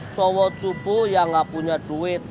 cowok cupu yang gak punya duit